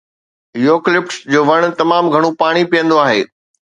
Eucalyptus جو وڻ تمام گهڻو پاڻي پيئندو آهي.